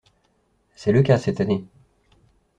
C'est le cas cette année.